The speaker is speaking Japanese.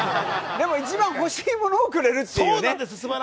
でも、一番欲しいものをくれるっていうね。